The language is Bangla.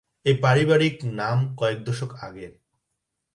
এই পারিবারিক নাম কয়েক দশক আগের।